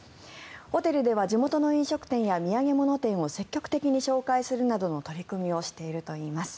ホテルでは地元の飲食店や土産物店を積極的に紹介するなどの取り組みをしているといいます。